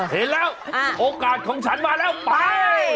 เห็นแล้วโอกาสของฉันมาแล้วไป